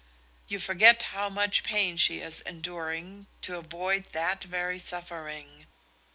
You forget how much pain she is enduring to avoid that very suffering.